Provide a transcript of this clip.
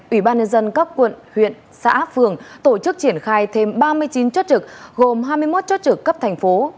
ủy ban nhân dân các quận huyện xã phường tổ chức triển khai thêm ba mươi chín chốt trực gồm hai mươi một chốt trực cấp thành phố